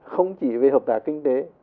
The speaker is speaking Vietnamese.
không chỉ về hợp tác kinh tế